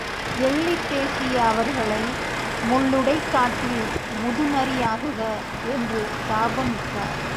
எள்ளிப் பேசிய அவர் களை முள்ளுடைக் காட்டில் முதுநரியாகுக என்று சாபமிட்டார்.